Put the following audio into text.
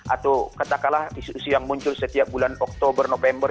atau katakanlah isu isu yang muncul setiap bulan oktober november